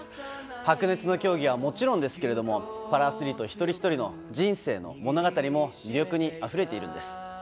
白熱の競技はもちろんですけども一人一人の人生の物語も魅力にあふれているんです。